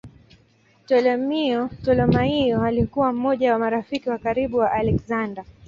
Ptolemaio alikuwa mmoja wa marafiki wa karibu wa Aleksander.